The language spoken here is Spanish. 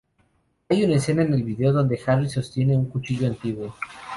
Hay una escena en el vídeo donde Harris sostiene un cuchillo antiguo.